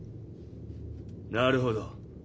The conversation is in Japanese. ・なるほど。